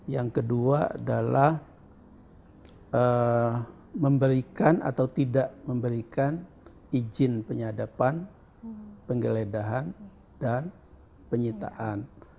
yang kedua adalah memberikan atau tidak memberikan izin penyadapan penggeledahan dan penyitaan